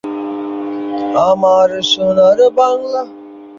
এদের একটি শক্ত চঞ্চু আছে।